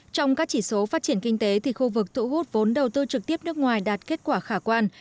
trong các chỉ số phát triển kinh tế thì khu vực thụ hút vốn đầu tư trực tiếp nước ngoài đạt kết quả khả quan